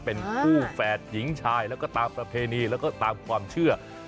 เป็นคู่แฝดหญิงชายแล้วก็ตามประเพณีแล้วก็ตามความเชื่อ